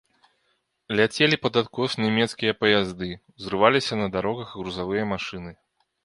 Ляцелі пад адкос нямецкія паязды, узрываліся на дарогах грузавыя машыны.